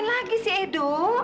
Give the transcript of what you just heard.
ngapain lagi sih ido